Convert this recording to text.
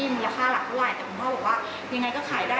มูลค่าหลักเท่าไรแต่มันไม่ได้ว่ายังไงก็ขายได้